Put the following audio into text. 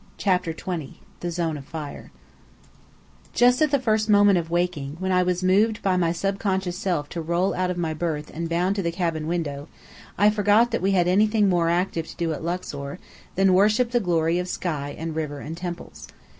CHAPTER XX THE ZONE OF FIRE Just at the first moment of waking, when I was moved by my subconscious self to roll out of my berth and bound to the cabin window, I forgot that we had anything more active to do at Luxor than worship the glory of sky and river and temples.